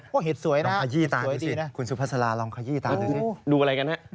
พวกเห็ดสวยนะคุณสุภาษาล่องขยี่ตาดูสิ